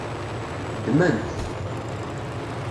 Ddmen-t.